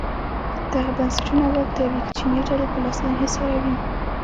دغه بنسټونه واک د یوې کوچنۍ ډلې په لاس انحصاروي.